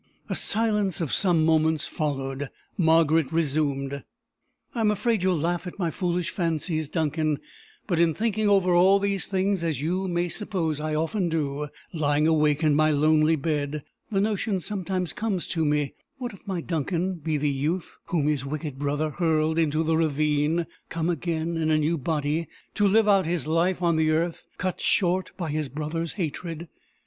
A silence of some moments followed. Margaret resumed: "I am afraid you will laugh at my foolish fancies, Duncan; but in thinking over all these things, as you may suppose I often do, lying awake in my lonely bed, the notion sometimes comes to me: What if my Duncan be the youth whom his wicked brother hurled into the ravine, come again in a new body, to live out his life on the earth, cut short by his brother's hatred?